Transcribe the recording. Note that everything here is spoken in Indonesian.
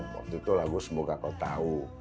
waktu itu lagu semoga kau tahu